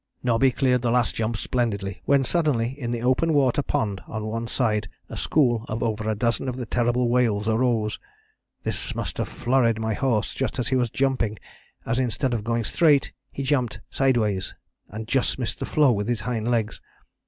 "Nobby cleared the last jump splendidly, when suddenly in the open water pond on one side a school of over a dozen of the terrible whales arose. This must have flurried my horse just as he was jumping, as instead of going straight he jumped [sideways] and just missed the floe with his hind legs.